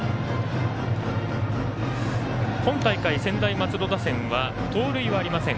今大会、専大松戸打線は盗塁はありません。